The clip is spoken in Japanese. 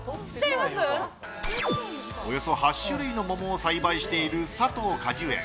およそ８種類のモモを栽培している佐藤果樹園。